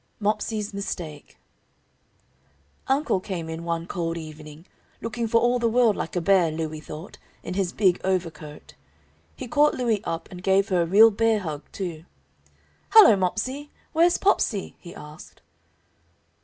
_"] MOPSEY'S MISTAKE Uncle came in one cold evening, looking for all the world like a bear, Louie thought, in his big overcoat. He caught Louie up and gave her a real bear hug, too. "Hello, Mopsey! where's Popsey?" he asked.